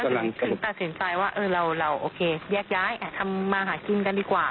ทำไมตัดสินใจว่าเราแยกย้ายทำมาหากินกันดีกว่า